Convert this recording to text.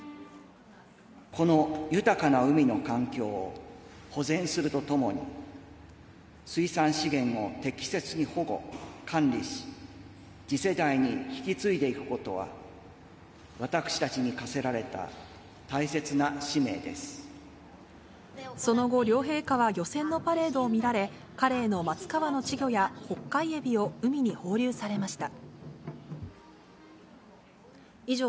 この豊かな海の環境を、保全するとともに、水産資源を適切に保護・管理し、次世代に引き継いでいくことは、私たちに課せられた大切な使命でその後、両陛下は漁船のパレードを見られ、カレイのマツカワの稚魚やホッカイエビを海に放流されました。